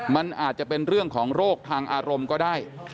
มันอาจจะเป็นเรื่องของโรคทางอารมณ์ก็ได้